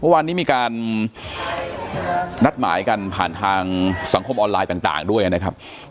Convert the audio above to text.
วันนี้มีการนัดหมายกันผ่านทางสังคมออนไลน์ต่างด้วยนะครับ